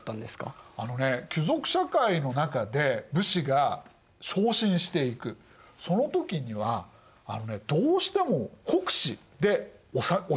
あのね貴族社会の中で武士が昇進していくその時にはどうしても国司でおしまいだったんです。